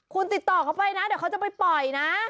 คุณติดต่อเขาไปนะเดี๋ยวเขาจะไปปล่อยนะ